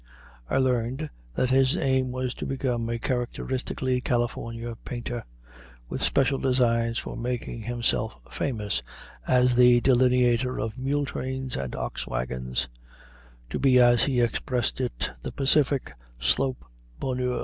I learned that his aim was to become a characteristically California painter, with special designs for making himself famous as the delineator of mule trains and ox wagons; to be, as he expressed it, "the Pacific Slope Bonheur."